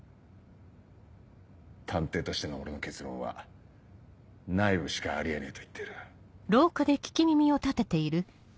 探偵としての俺の結論は内部しかあり得ねえと言ってる。